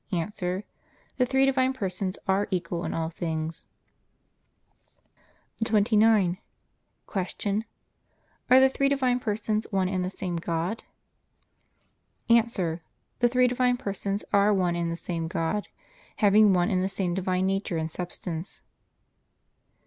A. The three Divine Persons are equal in all things. 29. Q. Are the three Divine Persons one and the same God? A. The three Divine Persons are one and the same God, having one and the same Divine nature and substance.